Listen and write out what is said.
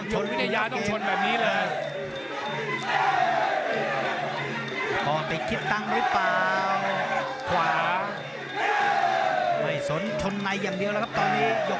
หยกพุทยายาต้องชนแบบนี้เลย